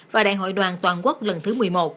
và đại hội đoàn toàn quốc lần thứ một mươi một